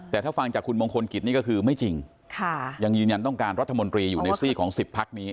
แต่ถ้าฟังจากคุณมงคลกิจนี่ก็คือไม่จริงยังยืนยันต้องการรัฐมนตรีอยู่ในซี่ของ๑๐พักนี้